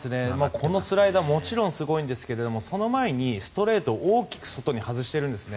このスライダーもちろんすごいんですけれどもその前にストレート大きく外に外してるんですね。